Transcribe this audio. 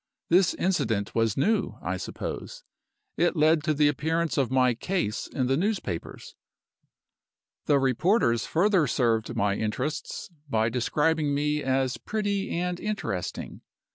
This incident was new, I suppose; it led to the appearance of my 'case' in the newspapers. The reporters further served my interests by describing me as 'pretty and interesting.